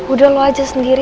udah lo aja sendiri